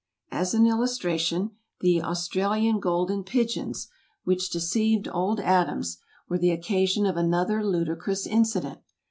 As an illustration the "Australian Golden Pigeons" which deceived Old Adams were the occasion of another ludicrous incident.